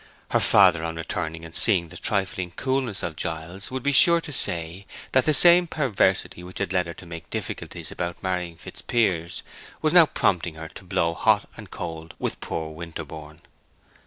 Her father on returning and seeing the trifling coolness of Giles would be sure to say that the same perversity which had led her to make difficulties about marrying Fitzpiers was now prompting her to blow hot and cold with poor Winterborne.